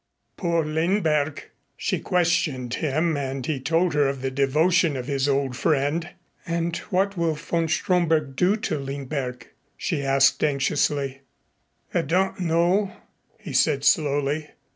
Poor Lindberg!" She questioned him and he told her of the devotion of his old friend. "And what will von Stromberg do to Lindberg?" she asked anxiously. "I don't know," he said slowly.